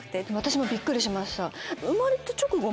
でも私もびっくりしました。